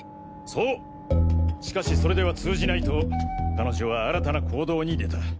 そうしかしそれでは通じないと彼女は新たな行動に出た。